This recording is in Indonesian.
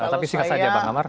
tapi sikap saja bang amar